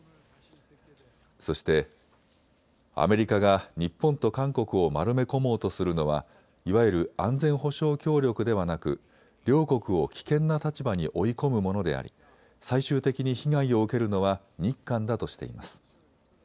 そして、アメリカが日本と韓国を丸め込もうとするのはいわゆる安全保障協力ではなく両国を危険な立場に追い込むものであり最終的に被害を受けるのは日韓だとしています。